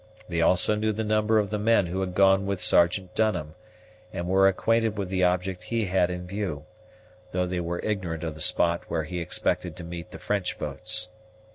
They also knew the number of men who had gone with Sergeant Dunham, and were acquainted with the object he had in view, though they were ignorant of the spot where he expected to meet the French boats.